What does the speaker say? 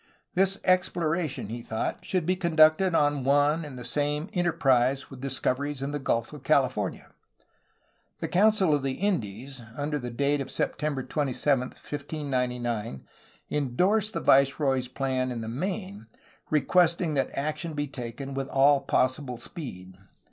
This exploration, he thought, should be conducted on one and the same enter prise with discoveries in the Gulf of California. The Council of the Indies, under date of September 27, 1599, endorsed the viceroy's plan in the main, requesting that action be taken "with all possible speed."